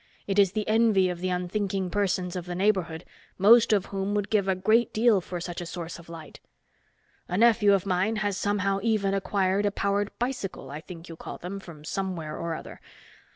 It is the envy of the unthinking persons of the neighborhood most of whom would give a great deal for such a source of light. A nephew of mine has somehow even acquired a powered bicycle, I think you call them, from somewhere or other.